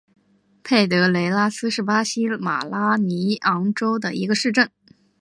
佩德雷拉斯是巴西马拉尼昂州的一个市镇。